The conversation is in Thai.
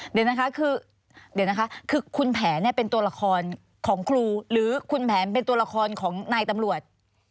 เดี๋ยวนะคะคือเดี๋ยวนะคะคือคุณแผนเนี่ยเป็นตัวละครของครูหรือคุณแผนเป็นตัวละครของนายตำรวจ